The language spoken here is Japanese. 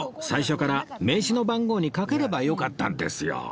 最初から名刺の番号にかければよかったんですよ